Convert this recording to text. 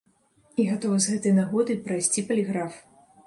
І гатовы з гэтай нагоды прайсці паліграф.